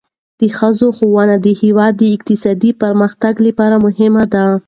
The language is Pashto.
د ښځو ښوونه د هیواد د اقتصادي پرمختګ لپاره مهمه ده.